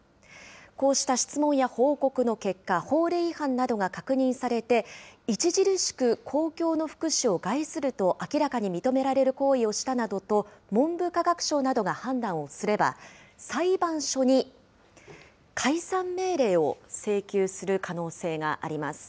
こうした質問や報告の結果、法令違反などが確認されて、著しく公共の福祉を害すると明らかに認められる行為をしたなどと文部科学省などが判断をすれば裁判所に、解散命令を請求する可能性があります。